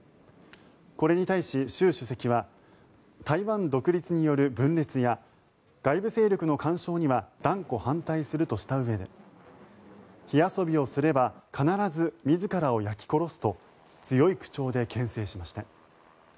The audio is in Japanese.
これに対し習主席は台湾独立による分裂や外部勢力の干渉には断固反対するとしたうえで火遊びをすれば必ず自らを焼き殺すと強い口調でけん制しました。